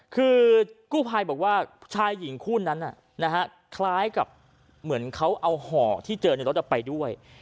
คือกู้ภัยบอกว่าชายหญิงคู่นั้นคล้ายกับเหมือนเขาเอาห่อที่เจอในรถไปด้วย